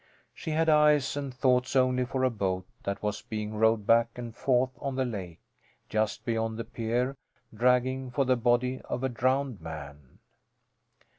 She had eyes and thoughts only for a boat that was being rowed back and forth on the lake, just beyond the pier, dragging for the body of a drowned man.